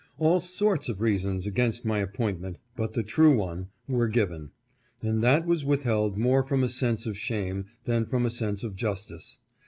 All sorts of reasons against my appointment, but the true one, were given, and that was withheld more from a sense of shame, than from a sense of justice.